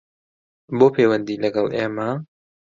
بۆ پەیوەندی لەگەڵ ئێمە